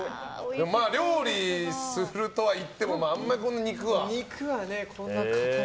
料理するとはいってもあまりこんな肉はね。